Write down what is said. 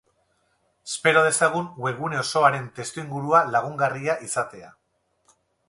Espero dezagun webgune osoaren testuingurua lagungarria izatea.